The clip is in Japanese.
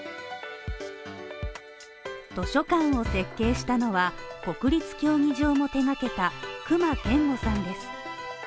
図書館を設計したのは国立競技場も手がけた隈研吾さんです。